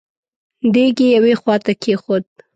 دېګ يې يوې خواته کېښود.